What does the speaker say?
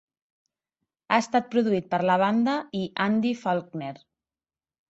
Ha estat produït per la banda i Andy Faulkner.